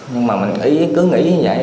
nhưng mà mình cứ nghĩ như vậy